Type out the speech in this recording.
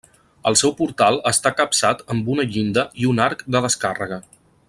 El seu portal està capçat amb una llinda i un arc de descàrrega.